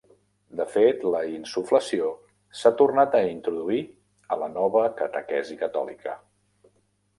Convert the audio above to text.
De fet, la insuflació s'ha tornat a introduir a la nova catequesi catòlica.